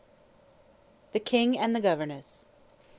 THE KING AND THE GOVERNESS.